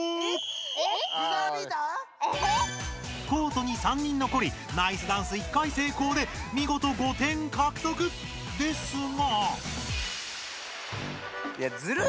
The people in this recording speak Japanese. コートに３人残りナイスダンス１回成功でみごと５点獲得！ですが。